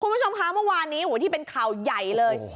คุณผู้ชมคะเมื่อวานนี้ที่เป็นข่าวใหญ่เลย